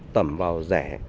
tẩm vào rẻ